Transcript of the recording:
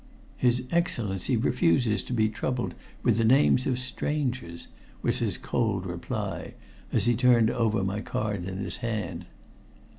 "His Excellency refuses to be troubled with the names of strangers," was his cold reply, as he turned over my card in his hand.